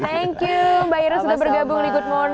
thank you mbak ira sudah bergabung di good morning